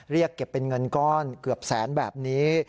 เรียกเก็บเป็นเงินก้อนเกือบแสนแบบนี้